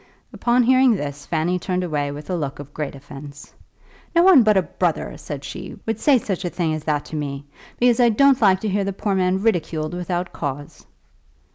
Upon hearing this Fanny turned away with a look of great offence. "No one but a brother," said she, "would say such a thing as that to me, because I don't like to hear the poor man ridiculed without cause."